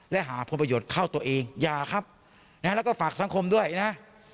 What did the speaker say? และหาผลประโยชน์เข้าตัวเองอย่าครับนะแล้วก็ฝากสังคมด้วยนะ